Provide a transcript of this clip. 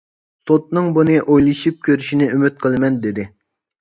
سوتنىڭ بۇنى ئويلىشىپ كۆرۈشىنى ئۈمىد قىلىمەن، دېدى.